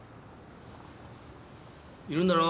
いるんだろ？